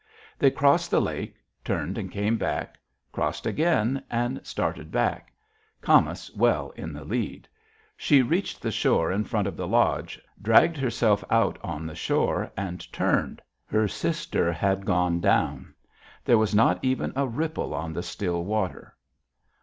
They crossed the lake; turned and came back; crossed again and started back, Camas well in the lead. She reached the shore in front of the lodge, dragged herself out on the shore, and turned. Her sister had gone down. There was not even a ripple on the still water.